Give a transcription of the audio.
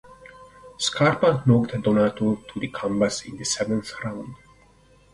Scarpa knocked Donato to the canvas in the seventh round.